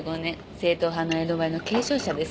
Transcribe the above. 正統派の江戸前の継承者です。